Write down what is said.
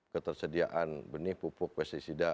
ketersediaan benih pupuk pesticida